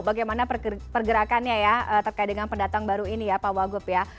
bagaimana pergerakannya ya terkait dengan pendatang baru ini ya pak wagub ya